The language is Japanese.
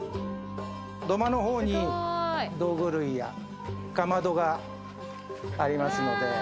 土間のほうに道具類やかまどがありますので。